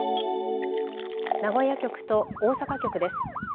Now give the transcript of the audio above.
名古屋局と大阪局です。